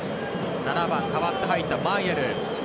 ７番、代わって入ったマイェル。